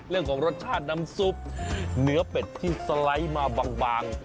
เรื่องของรสชาติน้ำซุปเนื้อเป็ดที่สไลด์มาบาง